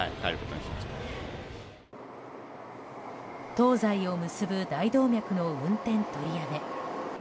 東西を結ぶ大動脈の運転取りやめ。